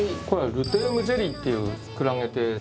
これはルテウムジェリーっていうクラゲで。